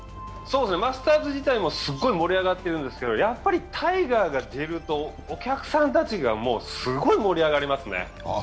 マスターズ自体もすごい盛り上がっているんですけど、やっぱりタイガーが出るとお客さんたちがすごい盛り上がりますね。